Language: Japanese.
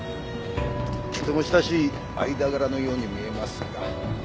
とっても親しい間柄のように見えますが。